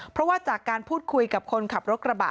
เพราะว่าจากการพูดคุยกับคนขับรถกระบะ